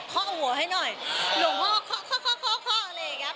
พ่อเอาหัวให้หน่อยหลวงพ่อค่ะค่ะค่ะค่ะค่ะอะไรอย่างเงี้ย